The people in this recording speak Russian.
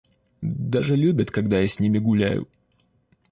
Даже любят, когда я с ними гуляю.